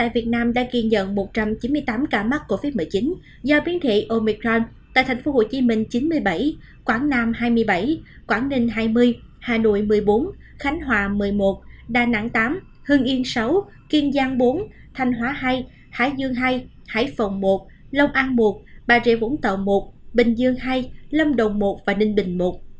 việt nam đã ghi nhận một trăm chín mươi tám ca mắc covid một mươi chín do biến thị omicron tại thành phố hồ chí minh chín mươi bảy quảng nam hai mươi bảy quảng ninh hai mươi hà nội một mươi bốn khánh hòa một mươi một đà nẵng tám hương yên sáu kiên giang bốn thanh hóa hai hải dương hai hải phòng một lông an một bà rịa vũng tậu một bình dương hai lâm đồng một và ninh bình một